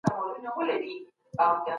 که تجربه کار ښوونکی وي نو سبق نه هېرېږي.